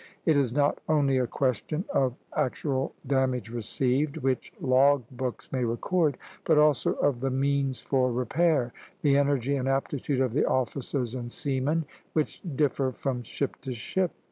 It is not only a question of actual damage received, which log books may record, but also of the means for repair, the energy and aptitude of the officers and seamen, which differ from ship to ship.